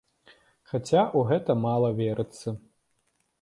Хаця ў гэта мала верыцца.